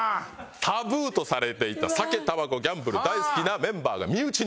タブーとされていた酒タバコギャンブル大好きなメンバーが身内にいます。